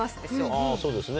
あぁそうですね。